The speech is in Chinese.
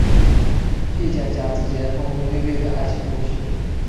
叶家家之间轰轰烈烈的爱情故事。